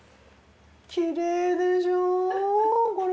きれいでしょこれ。